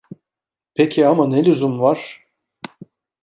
Peki ama, ne lüzum var?